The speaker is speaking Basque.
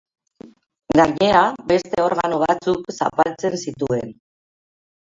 Gainera, beste organo batzuk zapaltzen zituen.